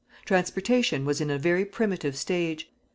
Transportation was in a very primitive stage.